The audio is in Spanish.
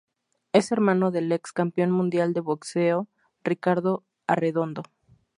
Es hermano del ex campeón mundial de boxeo Ricardo Arredondo.